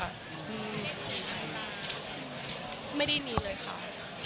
อืมไม่ได้มีเลยค่ะ